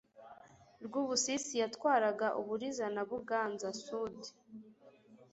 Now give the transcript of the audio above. rwubusisi yatwaraga uburiza na buganza-sud